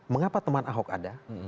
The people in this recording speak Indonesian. mengapa teman ahok ada